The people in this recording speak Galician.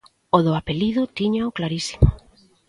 O do apelido tíñao clarísimo.